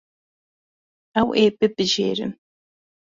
Ew ê bibijêrin.